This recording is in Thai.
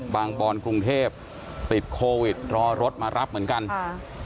บอนกรุงเทพติดโควิดรอรถมารับเหมือนกันค่ะ